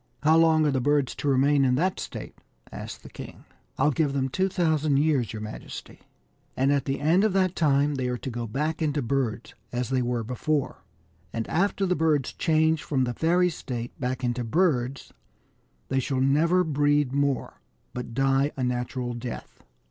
" How long are the birds to remain in that state ?" asked the king. " I'll give them 2,000 years, your majesty ; and at the end of that time they are to go back into birds, as they were before. And after the birds change from the fairy state back into birds, they shall never breed more, but die a natural death."